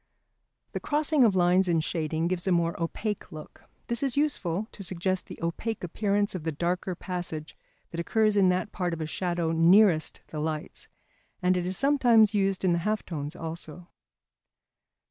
The crossing of lines in shading gives a more opaque look. This is useful to suggest the opaque appearance of the darker passage that occurs in that part of a shadow nearest the lights; and it is sometimes used in the half tones also.